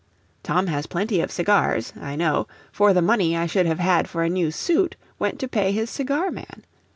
"Tom has plenty of cigars, I know, for the money I should have had for a new suit went to pay his cigar man.